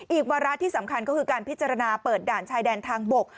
วาระที่สำคัญก็คือการพิจารณาเปิดด่านชายแดนทางบก